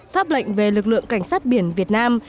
pháp lệnh về lực lượng cảnh sát biển việt nam